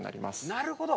なるほど。